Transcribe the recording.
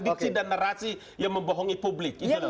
diksi dan narasi yang membohongi publik